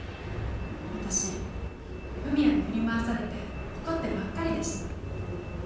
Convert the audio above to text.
私史也に振り回されて怒ってばっかりでした。